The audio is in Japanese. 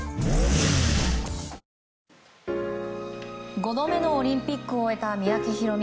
５度目のオリンピックを終えた三宅宏実。